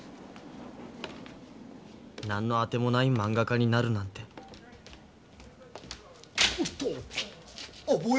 何の当てもないまんが家になるなんておっと！